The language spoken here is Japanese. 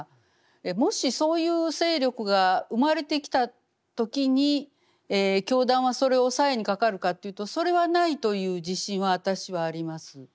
もしそういう勢力が生まれてきた時に教団はそれを抑えにかかるかというとそれはないという自信は私はあります。